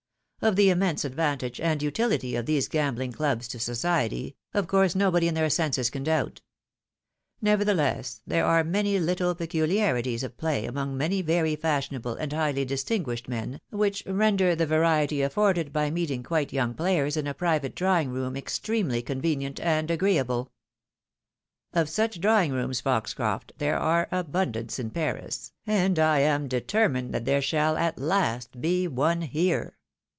Of the immense advantage and utility of these gambling clubs to society, of course nobody in their senses can doubt ; neverthe less, there are many httle pecuEarities of play among many very fashionable and highly distiaguished men, which render the variety afforded by meeting quite young players in a private drawing room extremely convenient and agreeable. " Of such drawing Tooms, Foxcroft, thef? are abundance in Paris, and I am determined that there shall at last be one here.